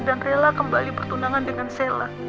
dan rela kembali bertunangan dengan sela